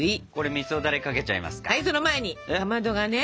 はいその前にかまどがね